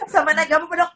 sampai naik kamu pedok